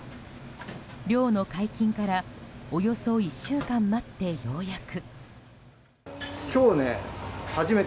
漁の解禁からおよそ１週間待ってようやく。